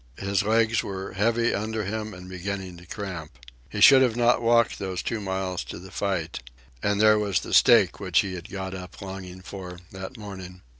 His legs were heavy under him and beginning to cramp. He should not have walked those two miles to the fight. And there was the steak which he had got up longing for that morning.